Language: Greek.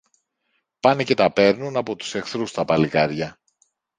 πάνε και τα παίρνουν από τους εχθρούς τα παλικάρια